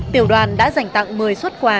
tiểu đoàn đã dành tặng một mươi suất quà